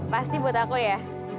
pasti buat aku ya